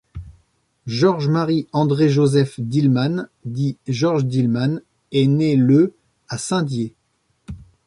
Georges Marie André Joseph Dillemann, dit Georges Dillemann, est né le à Saint-Dié.